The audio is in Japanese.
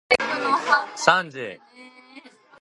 さんじ